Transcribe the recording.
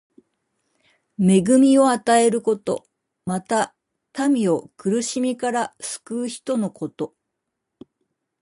恵みを与えること。また、民を苦しみから救う人のこと。